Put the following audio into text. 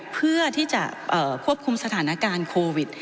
เพื่อที่จะควบคุมสถานการณ์โควิด